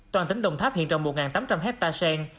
toàn tỉnh đồng tháp hiện trồng một tám trăm linh hectare sen